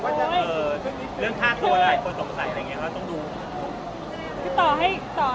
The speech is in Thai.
เรื่องฆ่าตัวอะไรคนสงสัยต้องดู